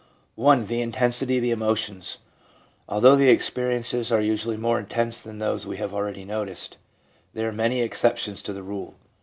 i. The Intensity of the Emotions. — Although the ex periences are usually more intense than those we have already noticed, there are many exceptions to the rule.